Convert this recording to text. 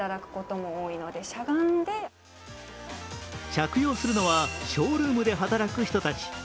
着用するのはショールームで働く人たち。